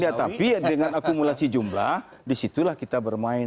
ya tapi dengan akumulasi jumlah disitulah kita bermain